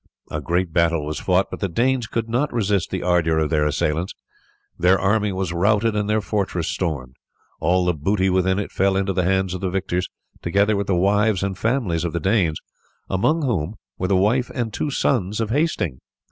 A great battle was fought, but the Danes could not resist the ardour of their assailants. Their army was routed and their fortress stormed. All the booty within it fell into the hands of the victors, together with the wives and families of the Danes, among whom were the wife and two sons of Hasting.